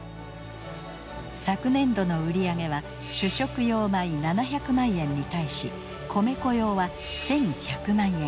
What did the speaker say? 昨年度の売り上げは主食用米７００万円に対し米粉用は１１００万円。